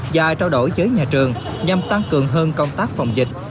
và trao đổi với nhà trường nhằm tăng cường hơn công tác phòng dịch